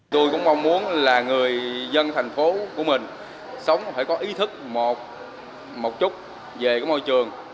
tôi cũng mong muốn là người dân thành phố của mình sống phải có ý thức một chút về môi trường